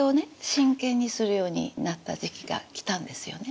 真剣にするようになった時期が来たんですよね。